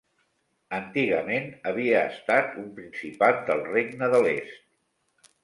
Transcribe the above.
Antigament havia estat un principat del regne de l'est.